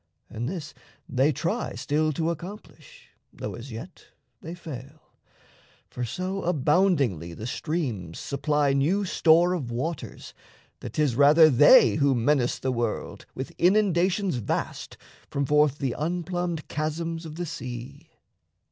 And this they try Still to accomplish, though as yet they fail, For so aboundingly the streams supply New store of waters that 'tis rather they Who menace the world with inundations vast From forth the unplumbed chasms of the sea.